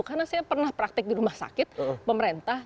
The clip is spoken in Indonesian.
karena saya pernah praktek di rumah sakit pemerintah